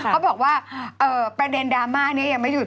เขาบอกว่าประเด็นดราม่านี้ยังไม่หยุ